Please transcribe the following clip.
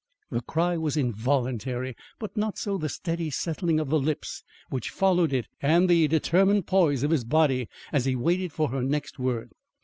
The cry was involuntary, but not so the steady settling of the lips which followed it and the determined poise of his body as he waited for her next word.